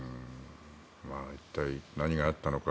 一体何があったのか